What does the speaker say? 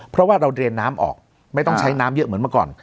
เพราะว่าเราเรียนน้ำออกไม่ต้องใช้น้ำเยอะเหมือนเมื่อก่อน